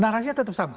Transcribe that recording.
narasinya tetap sama